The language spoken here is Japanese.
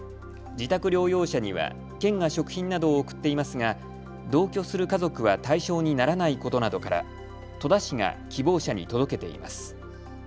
自宅療養者には、県が食品などを送っていますが同居する家族は対象にならないことなどから戸田市が希望者に届けています。